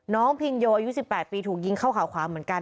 พิงโยอายุ๑๘ปีถูกยิงเข้าขาขวาเหมือนกัน